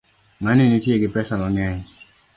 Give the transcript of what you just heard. Ngani nitie gi pesa mangeny